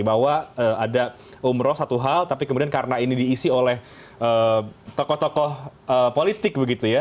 bahwa ada umroh satu hal tapi kemudian karena ini diisi oleh tokoh tokoh politik begitu ya